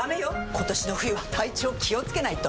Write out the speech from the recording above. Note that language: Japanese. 今年の冬は体調気をつけないと！